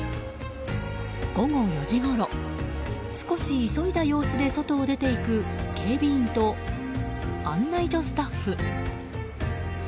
午後４時ごろ少し急いだ様子で外を出て行く警備員と案内所スタッフ。